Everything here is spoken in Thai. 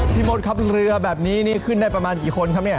มดครับเรือแบบนี้นี่ขึ้นได้ประมาณกี่คนครับเนี่ย